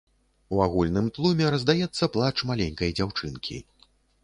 У агульным тлуме раздаецца плач маленькай дзяўчынкі.